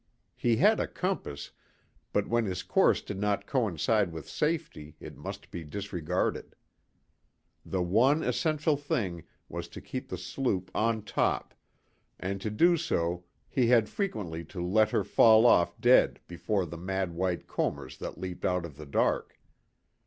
He had a compass, but when his course did not coincide with safety it must be disregarded. The one essential thing was to keep the sloop on top, and to do so he had frequently to let her fall off dead before the mad white combers that leaped out of the dark.